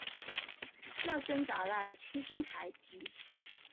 那森达赖出身台吉。